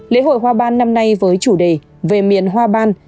lễ hội hoa ban năm nay với chủ đề về miền hoa ban